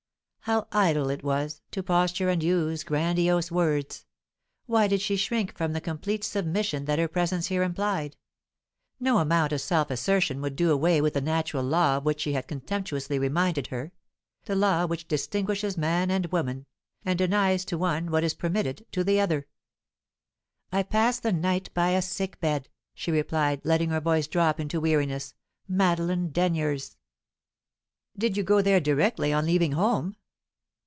How idle it was, to posture and use grandiose words! Why did she shrink from the complete submission that her presence here implied? No amount of self assertion would do away with the natural law of which he had contemptuously reminded her, the law which distinguishes man and woman, and denies to one what is permitted to the other. "I passed the night by a sick bed," she replied, letting her voice drop into weariness "Madeline Denyer's." "Did you go there directly on leaving home?"